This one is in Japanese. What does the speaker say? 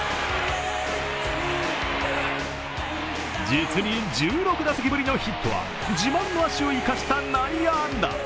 実に１６打席ぶりのヒットは自慢の足を生かした内野安打。